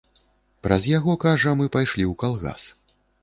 Праз яго, кажа, мы пайшлі ў калгас.